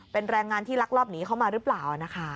เป็นแรงงานที่ลักลอบหนีเข้ามาหรือเปล่านะคะ